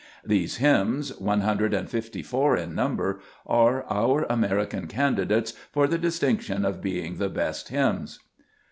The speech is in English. '' These hymns, one hundred and fifty four in number, are our American candidates for the distinction of being the best hymns.